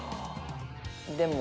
でも。